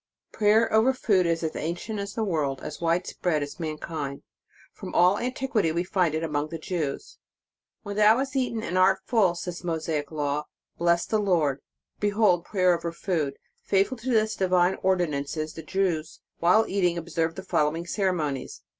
PRAYER OVER FOOD is AS ANCIENT AS THE WORLD ; AS WIDE SPREAD AS MANKIND. From all antiquity we find it among the Jews. When thou hast eaten, and art full," says the Mosaic law, " bless the Lord."* Behold prayer over food. Faithful to this divine ordinance, the Jews, while eating, observed the following ceremonies.